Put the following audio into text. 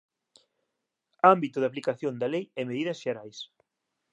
Ámbito de aplicación da Lei e medidas xerais